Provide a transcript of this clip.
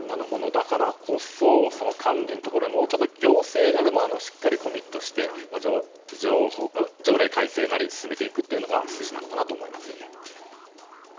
だからこそ、管理のところにはもうちょっと行政がしっかりコミットして条例改正なりを進めていくのが筋なのかなと思いますよね。